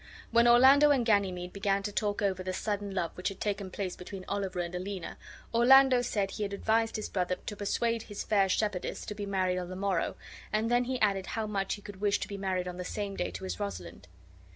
When Orlando and Ganymede began to talk over the sudden love which had taken place between Oliver and. Aliena, Orlando said be had advised his brother to persuade his fair shepherdess to be married on the morrow, and then he added how much he could wish to be married on the same day to his Rosalind.